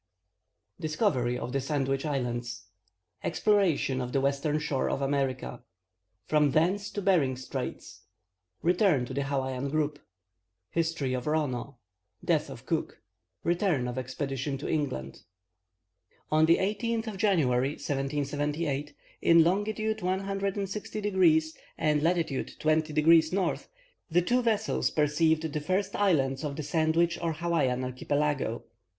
Discovery of the Sandwich Islands Exploration of the Western shore of America From thence to Behring Straits Return to the Hawain Group History of Rono Death of Cook Return of the Expedition to England. On the 18th of January, 1778, in longitude 160 degrees and latitude 20 degrees north, the two vessels perceived the first islands of the Sandwich or Hawain archipelago.